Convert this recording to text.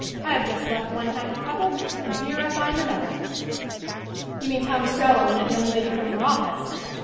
I have just left one happy couple and here I find another." "You mean Tom Ostrello and that young lady from your office?"